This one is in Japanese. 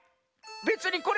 べつにこれはね